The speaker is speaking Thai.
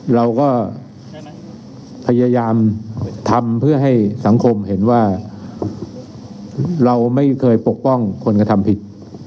เราก็พยายามทำเพื่อให้สังคมเห็นว่าเราไม่เคยปกป้องคนกระทำผิด